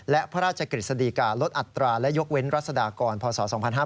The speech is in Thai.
และพระราชกฤษฎีกาลดอัตราและยกเว้นรัศดากรพศ๒๕๕๙